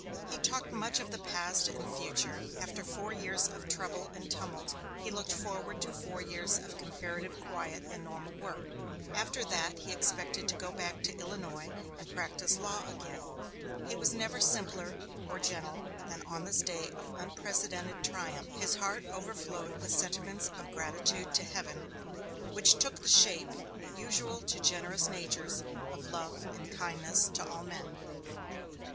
He talked much of the past and future; after four years of trouble and tumult he looked forward to four years of comparative quiet and normal work; after that he expected to go back to Illinois and practise law again. He was never simpler or gentler than on this day of unprecedented triumph; his heart overflowed with sentiments of gratitude to Heaven, which took the shape, usual to generous natures, of love and kindness to all men.